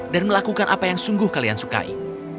dan melakukan apa yang sungguh kalian sukai